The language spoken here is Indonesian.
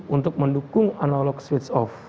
untuk mendukung analog switch off